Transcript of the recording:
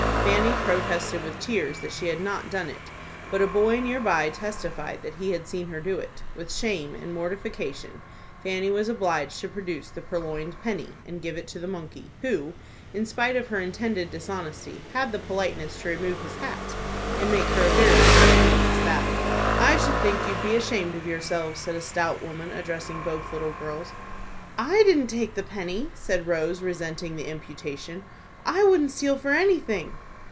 Fanny protested with tears that she had not done it, but a boy near by testified that he had seen her do it. With shame and mortification, Fanny was obliged to produce the purloined penny, and give it to the monkey, who, in spite of her intended dishonesty, had the politeness to remove his hat, and make her a very ceremonious bow. "I should think you'd be ashamed of yourselves," said a stout woman, addressing both little girls. "I didn't take the penny," said Rose, resenting the imputation; "I wouldn't steal for anything."